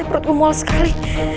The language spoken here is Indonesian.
rasa perutku mol sekali